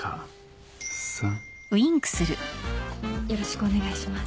よろしくお願いします。